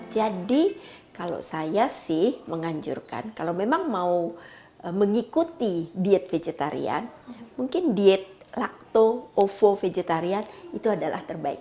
jadi kalau saya sih menganjurkan kalau memang mau mengikuti diet vegetarian mungkin diet lakto ovo vegetarian itu adalah terbaik